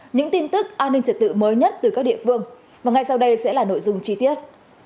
những tin tức an ninh trật tự mới nhất từ các địa phương và ngay sau đây sẽ là nội dung chi tiết